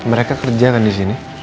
mereka kerja kan disini